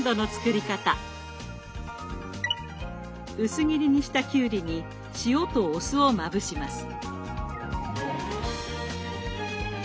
薄切りにしたきゅうりに塩とお酢をまぶします。